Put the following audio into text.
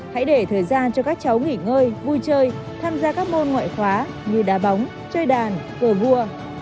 hãy để thời gian cho các cháu nghỉ ngơi vui chơi tham gia các môn ngoại khóa như đá bóng chơi đàn cờ vua